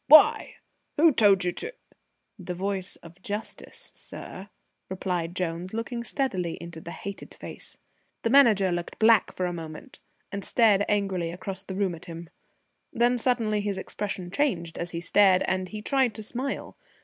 "Why? Who told you to ?" "The voice of Justice, sir," replied Jones, looking steadily into the hated face. The Manager looked black for a moment, and stared angrily across the room at him. Then suddenly his expression changed as he stared, and he tried to smile.